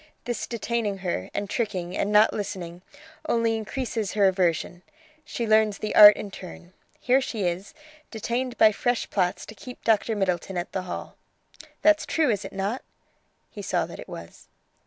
This detaining her, and tricking, and not listening, only increases her aversion; she learns the art in turn. Here she is, detained by fresh plots to keep Dr. Middleton at the Hall. That's true, is it not?" He saw that it was.